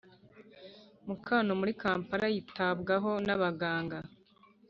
mukano muri kampala, yitabwaho n'abaganga